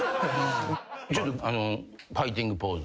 ちょっとファイティングポーズ。